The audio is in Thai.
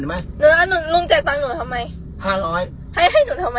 ไม่ใช่รุงจ่ายตังหนูก่อนดิไหม